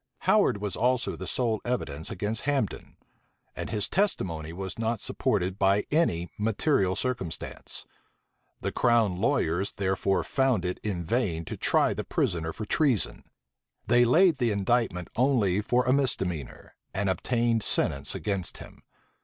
Howard was also the sole evidence against Hambden; and his testimony was not supported by any material circumstance. The crown lawyers therefore found it in vain to try the prisoner for treason: they laid the indictment only for a misdemeanor, and obtained sentence against him.